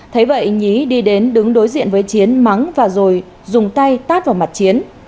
thấy vậy nhí đi đến đứng đối diện với chiến mắng và rồi dùng tay tát vào mặt chiến